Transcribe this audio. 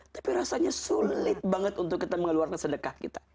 tapi rasanya sulit banget untuk kita mengeluarkan sedekah kita